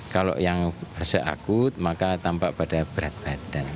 kalau yang berseakut maka tampak pada berat badan